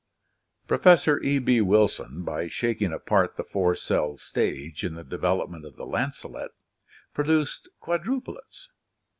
Pro fessor E. B. Wilson, by shaking apart the four celled stage in the development of the lancelet, produced quadruplets.